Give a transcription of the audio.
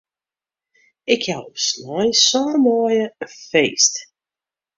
Ik jou op sneon sân maaie in feest.